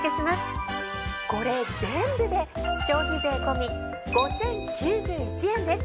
これ全部で消費税込み５，０９１円です。